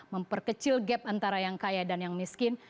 memperkecil gap antara yang kaya dan yang miskin